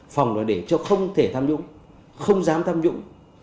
phòng là để cho không thể tham nhũng không dám tham nhũng